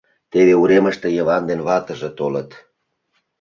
Теве уремыште Йыван ден ватыже толыт.